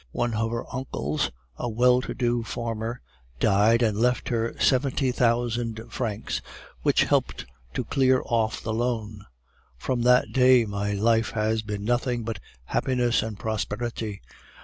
One of her uncles, a well to do farmer, died and left her seventy thousand francs, which helped to clear off the loan. From that day my life has been nothing but happiness and prosperity.